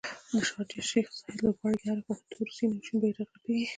د شارجې شیخ ذاید لوبغالي کې هرې خواته تور، سور او شین بیرغ رپیږي